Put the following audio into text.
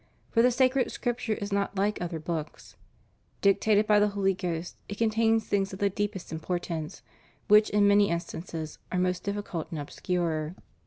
For the sacred Scripture is not like other books. Dictated by the Holy Ghost, it contains things of the deepest importance, which in many in stances are most difficult and obscure.